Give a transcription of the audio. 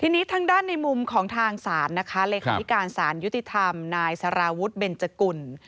ทีนี้ทางด้านในมุมของทางศาลนะคะเลขาธิการสารยุติธรรมนายสารวุฒิเบนจกุล